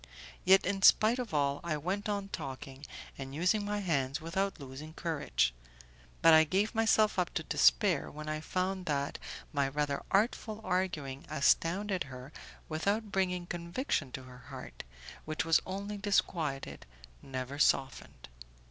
Yet, in spite of all, I went on talking and using my hands without losing courage, but I gave myself up to despair when I found that my rather artful arguing astounded her without bringing conviction to her heart, which was only disquieted, never softened.